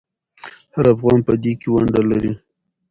هر افغان په دې کې ونډه لري.